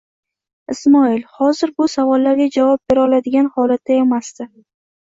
Ismoil hozir bu savollarga javob bera oladigan holatda emasdi.